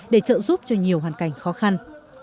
để trợ giúp cho nhiều hoàn cảnh khó khăn